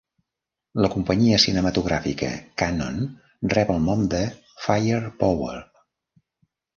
La companyia cinematogràfica Cannon rep el nom de Firepower.